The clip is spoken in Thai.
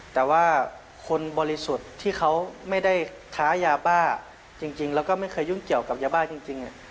แต่ว่าคนบริสุทธิ์ที่เขาไม่ได้ค้ายาบ้าจริงแล้วก็ไม่เคยยุ่งเกี่ยวกับยาบ้าจริง